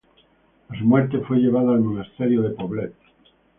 A su muerte fue llevada al monasterio de Poblet.